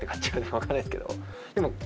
分かんないですけど。